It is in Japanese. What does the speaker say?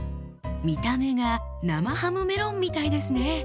見た目が生ハムメロンみたいですね。